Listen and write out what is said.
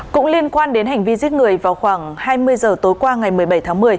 cũng liên quan đến hành vi giết người vào khoảng hai mươi giờ tối qua ngày một mươi bảy tháng một mươi